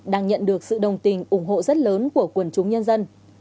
đang nhận được sự đồng tình ủng hộ rất lớn của quần chúng nhân dân